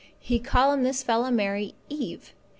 He call him this fella Mary, Eve.